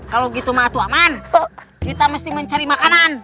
kalau begitu kita harus mencari makanan